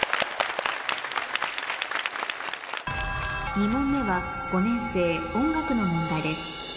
２問目は５年生音楽の問題です